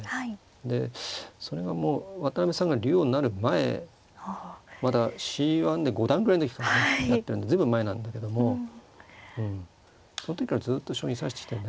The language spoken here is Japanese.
でそれがもう渡辺さんが竜王になる前まだＣ１で五段ぐらいの時からねやってるんで随分前なんだけどもうんその時からずっと将棋指してきてるんでね